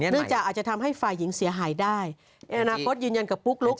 เรื่องจากอาจจะทำให้ฝ่ายหญิงเสียหายได้ในอนาคตยืนยันกับปุ๊กลุ๊ก